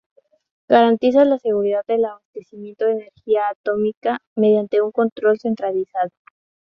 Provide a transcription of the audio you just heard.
Garantiza la seguridad del abastecimiento de energía atómica mediante un control centralizado.